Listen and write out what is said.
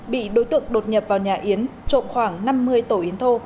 bị đối tượng đột nhập vào nhà yến trộm khoảng năm mươi tổ yến thô